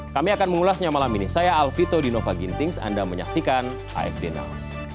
kami akan mengulasnya malam ini saya alvito dinova gintings anda menyaksikan afd now